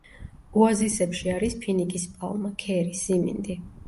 ოაზისებში არის ფინიკის პალმა, ქერი, სიმინდი.